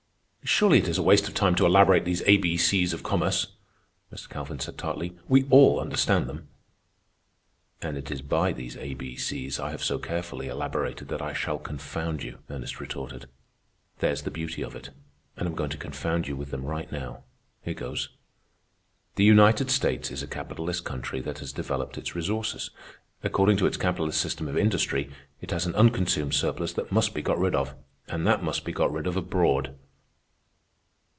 "Surely it is a waste of time to elaborate these A B C's of commerce," Mr. Calvin said tartly. "We all understand them." "And it is by these A B C's I have so carefully elaborated that I shall confound you," Ernest retorted. "There's the beauty of it. And I'm going to confound you with them right now. Here goes. "The United States is a capitalist country that has developed its resources. According to its capitalist system of industry, it has an unconsumed surplus that must be got rid of, and that must be got rid of abroad.